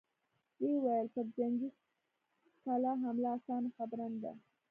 ويې ويل: پر جنګي کلا حمله اسانه خبره نه ده!